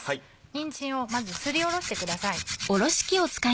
にんじんをまずすりおろしてください。